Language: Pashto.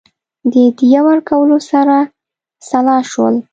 د دیه ورکولو سره سلا شول.